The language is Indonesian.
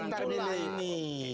muncul lah ini